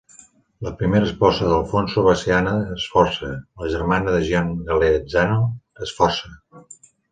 La primera esposa d'Alfonso va ser Anna Sforza, la germana de Gian Galeazzo Sforza.